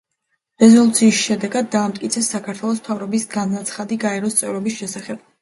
რეზოლუციის შედეგად დაამტკიცეს საქართველოს მთავრობის განაცხადი გაეროს წევრობის შესახებ.